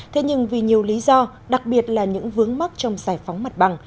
thế nhưng vì nhiều lý do đặc biệt là những vướng mắc trong giải phóng mặt bằng